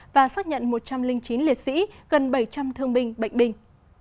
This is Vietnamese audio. và xác nhận một trăm linh chín liệt sĩ gần bảy trăm linh thương binh bệnh binh